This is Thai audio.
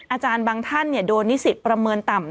อาจารย์บางท่านโดนนิสิตประเมินต่ำ